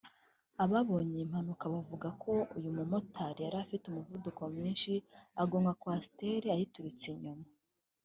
Ababonye iyi mpanuka bavuze ko umumotari yari afite umuvuduka mwinshi agonga Coaster ayiturutse inyuma